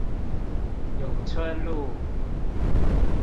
永春路